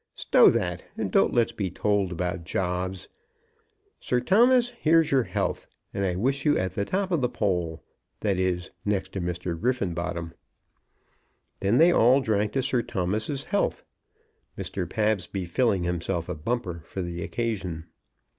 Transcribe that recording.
Stow that, and don't let's be told about jobs. Sir Thomas, here's your health, and I wish you at the top of the poll, that is, next to Mr. Griffenbottom." Then they all drank to Sir Thomas's health, Mr. Pabsby filling himself a bumper for the occasion.